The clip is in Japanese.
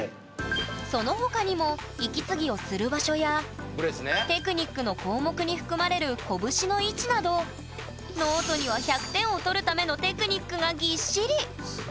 その他にも息継ぎをする場所やテクニックの項目に含まれるこぶしの位置などノートには１００点をとるためのテクニックがぎっしり！